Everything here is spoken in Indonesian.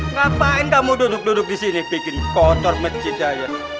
ngapain kamu duduk duduk disini bikin kotor masjid aja